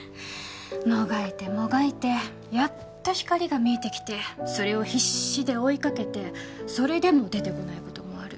もがいてもがいてやっと光が見えてきてそれを必死で追いかけてそれでも出てこない事もある。